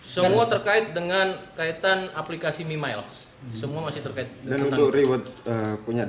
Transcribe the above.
semua terkait dengan kaitan aplikasi mimel semua masih terkait dan untuk reward punya